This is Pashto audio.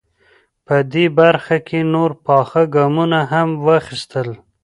په دې برخه کې نور پاخه ګامونه هم واخیستل.